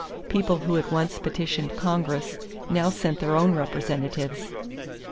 People who had once petitioned Congress now sent their own representatives.